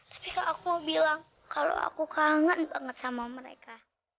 tapi kalau aku mau bilang kalau aku kangen banget sama mereka